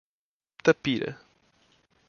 Tapira